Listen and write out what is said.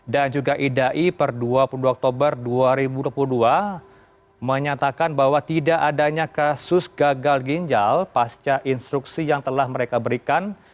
dan juga idai per dua puluh dua oktober dua ribu dua puluh dua menyatakan bahwa tidak adanya kasus gagal ginjal pasca instruksi yang telah mereka berikan